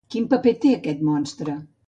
Quin paper té aquest monstre?